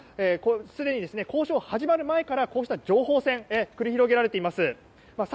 すでに交渉が始まる前からこうした情報戦が繰り広げられています。